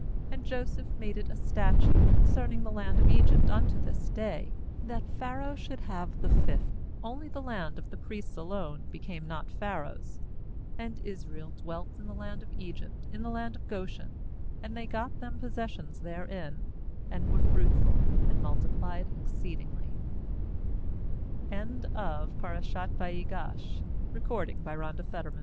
^And Joseph made it a statute concerning the land of Egypt unto this day, that Pharaoh should have the fifth; only the land of the priests alone became not Pharaoh's. 27And Israel dwelt in the land of Egypt, in the land of Goshen; and they got them posses sions therein, and were fruitful, and multiplied excee